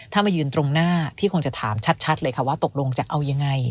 ถ้ามายืนตรงหน้าพี่คงจะถามชัดเลยค่ะว่าตกลงจะเอายังไง